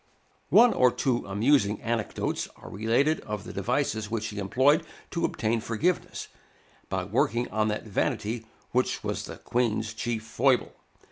One or two amusing anecdotes are related of the devices which he employed to obtain forgiveness, by working on that vanity which was the Queen's chief foible.